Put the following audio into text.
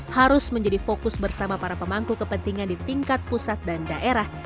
harus menjadi fokus bersama para pemangku kepentingan di tingkat pusat dan daerah